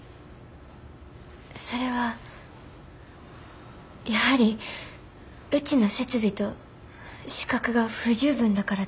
それはやはりうちの設備と資格が不十分だからでしょうか？